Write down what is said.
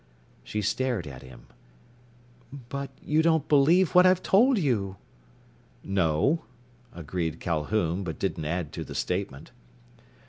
She stared at him. "But you don't believe what I've told you!" "No," agreed Calhoun, but didn't add to the statement.